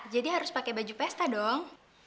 jadi harus pake baju pesta dong